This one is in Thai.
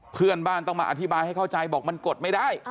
เพื่อนบ้านต้องมาอธิบายให้เข้าใจบอกมันกดไม่ได้